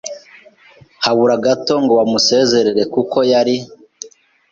Habura gato ngo bamusezerere kuko yari